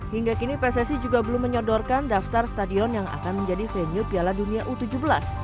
hingga kini pssi juga belum menyodorkan daftar stadion yang akan menjadi venue piala dunia u tujuh belas